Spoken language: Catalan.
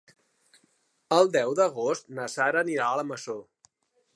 El deu d'agost na Sara anirà a la Masó.